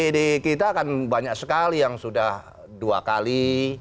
di kita kan banyak sekali yang sudah dua kali